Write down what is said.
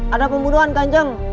ada pembunuhan kanjeng